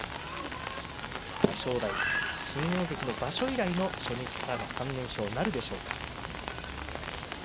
正代新大関の場所以来の、初日からの３連勝なるでしょうか。